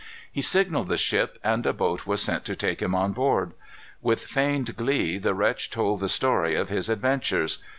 He signalled the ship, and a boat was sent to take him on board. With feigned glee the wretch told the story of his adventures.